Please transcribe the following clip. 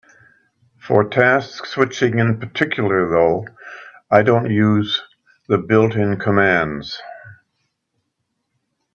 For task switching in particular, though, I don't use the built-in commands.